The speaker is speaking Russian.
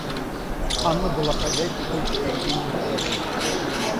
Анна была хозяйкой только по ведению разговора.